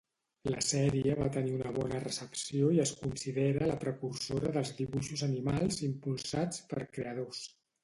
La sèrie va tenir una bona recepció i es considera la precursora dels dibuixos animals impulsats per creadors.